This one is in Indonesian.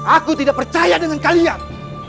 aku tidak percaya dengan kalian